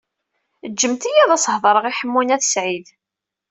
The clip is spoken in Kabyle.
Ǧǧemt-iyi ad as-heḍṛeɣ i Ḥemmu n At Sɛid.